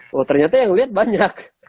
wah ternyata yang liat banyak